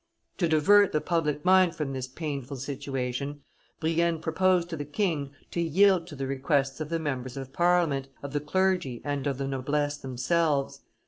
To divert the public mind from this painful situation, Brienne proposed to the king to yield to the requests of the members of Parliament, of the clergy, and of the noblesse themselves.